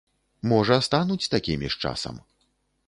Можа, стануць такімі з часам.